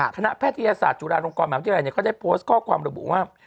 คณะแพทยาศาสตร์จุฬานรงค์กรแม้ว่าที่ไหนเนี่ยเขาได้โพสต์ข้อความระบุว่า